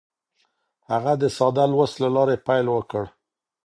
هغه د ساده لوست له لارې پیل وکړ.